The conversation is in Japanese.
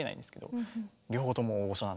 両方とも大御所なんで。